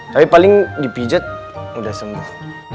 tapi paling dipijat udah sembuh